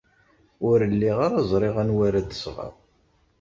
Ur lliɣ ara ẓriɣ anwa ara d-sɣeɣ.